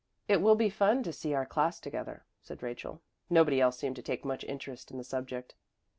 "It will be fun to see our class together," said Rachel. Nobody else seemed to take much interest in the subject.